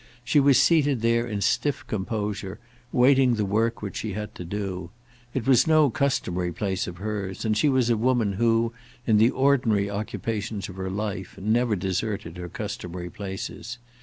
She was seated there in stiff composure, waiting the work which she had to do. It was no customary place of hers, and she was a woman who, in the ordinary occupations of her life, never deserted her customary places.